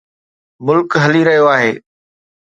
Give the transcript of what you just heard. ملڪ هلي رهيو آهي.